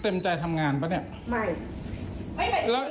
เต็มใจทำงานเปล่าเนี่ย